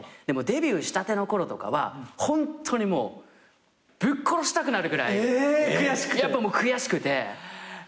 でもデビューしたてのころとかはホントにぶっ殺したくなるぐらいやっぱ悔しくて。